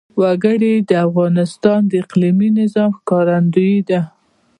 وګړي د افغانستان د اقلیمي نظام ښکارندوی ده.